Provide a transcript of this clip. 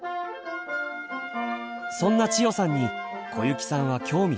そんな千代さんに小雪さんは興味津々。